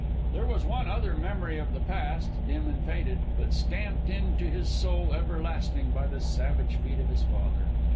There was one other memory of the past, dim and faded, but stamped into his soul everlasting by the savage feet of his father.